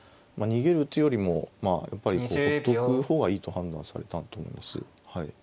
逃げる手よりもやっぱりほっとく方がいいと判断されたと思います。